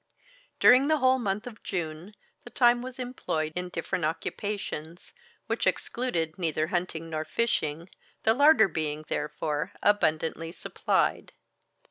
During the whole of the month of June the time was employed in different occupations, which excluded neither hunting nor fishing, the larder being, therefore, abundantly supplied.